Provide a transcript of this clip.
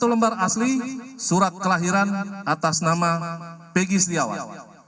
satu lembar asli surat kelahiran atas nama begy setiawan